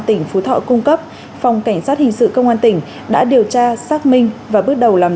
tỉnh phú thọ cung cấp phòng cảnh sát hình sự công an tỉnh đã điều tra xác minh và bước đầu làm